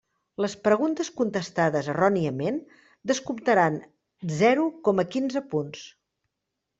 Les preguntes contestades erròniament descomptaran zero coma quinze punts.